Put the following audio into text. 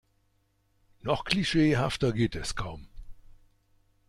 Noch klischeehafter geht es kaum.